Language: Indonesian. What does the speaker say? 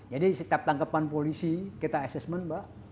jadi setiap tangkepan polisi kita assessment mbak